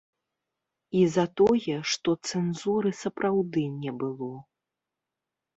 І за тое, што цэнзуры сапраўды не было.